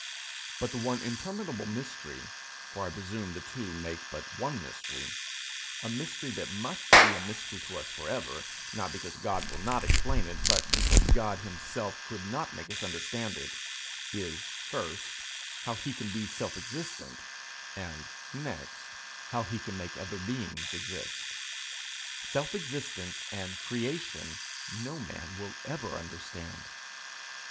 But the one interminable mystery, for I presume the two make but one mystery a mystery that must be a mystery to us for ever, not because God will not explain it, but because God himself could not make us understand it is first, how he can be self existent, and next, how he can make other beings exist: self existence and creation no man will ever understand.